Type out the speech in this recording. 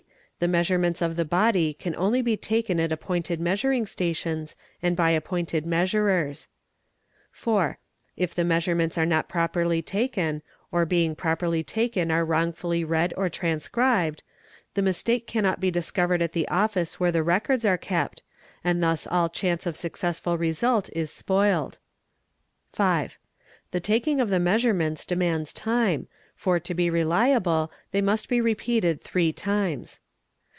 The measurements of the body can only be taken at appointed "measuring stations, and by appointed measurers. 4. If the measurements are not properly taken, or being properly taken are wrongly read or transcribed, the mistake cannot be discovered "at the office where the records are kept and thus all chance of successful sult is spoilt. 5. The taking of the measurements demands time, for to be reliable ley must be repeated three times.